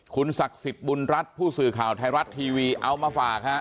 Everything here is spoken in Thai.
คุณศักดิ์สิทธิ์บุญรัฐผู้สื่อข่าวไทยรัฐทีวีเอามาฝากฮะ